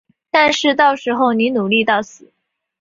但是到时候你努力到死